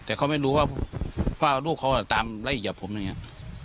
แต่เขาไม่รู้ว่าลูกเขาตามไล่อย่างเดียวผมจะได้แง่